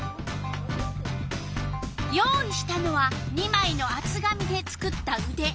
用意したのは２まいのあつ紙で作ったうで。